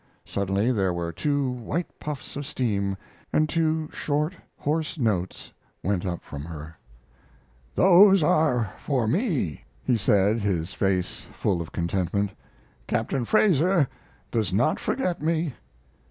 Suddenly there were two white puffs of steam, and two short, hoarse notes went up from her. "Those are for me," he said, his face full of contentment. "Captain Fraser does not forget me."